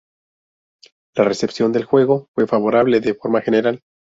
La recepción del juego fue favorable de forma general.